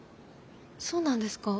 そうなんですか。